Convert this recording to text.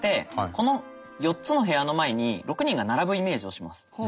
この４つの部屋の前に６人が並ぶイメージをします。